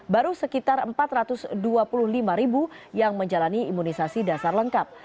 baru sekitar empat ratus dua puluh lima ribu yang menjalani imunisasi dasar lengkap